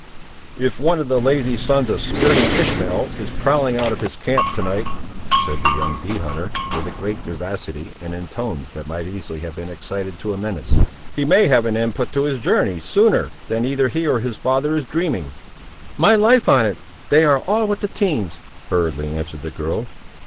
"If one of the lazy sons of Skirting Ishmael is prowling out of his camp to night," said the young bee hunter, with great vivacity, and in tones that might easily have been excited to a menace, "he may have an end put to his journey sooner than either he or his father is dreaming!" "My life on it, they are all with the teams," hurriedly answered the girl.